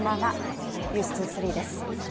「ｎｅｗｓ２３」です。